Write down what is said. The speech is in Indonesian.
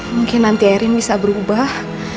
mungkin nanti erin bisa berubah